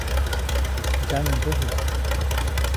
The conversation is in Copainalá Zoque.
Ntsyaŋdäju.